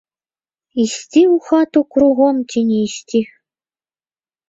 Ісці ў хату кругом ці не ісці.